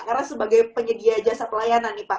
karena sebagai penyedia jasa pelayanan nih pak